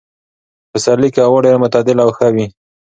په پسرلي کې هوا ډېره معتدله او ښه وي.